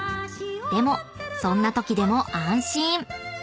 ［でもそんなときでも安心］